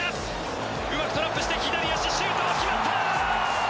うまくトラップして左足、シュート！決まった！